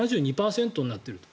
７２％になっていると。